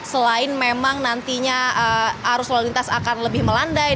selain memang nantinya arus lalu lintas akan lebih melandai